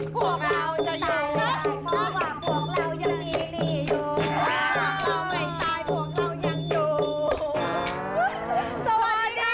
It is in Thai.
พวกเราไม่ตายพวกเรายังอยู่